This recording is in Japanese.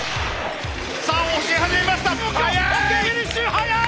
速い！